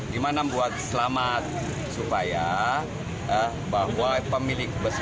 gimana buat selamat supaya bahwa pemilik berdiri